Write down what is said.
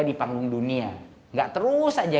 di panggung dunia gak terus saja